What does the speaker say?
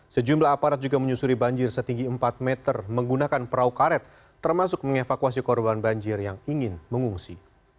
sejumlah aparat juga menyusuri banjir setinggi empat meter menggunakan perahu karet termasuk mengevakuasi korban banjir yang ingin mengungsi